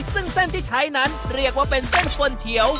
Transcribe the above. ซึ่งเส้นที่ใช้นั้นเรียกว่าเป็นเส้นกวนเขียว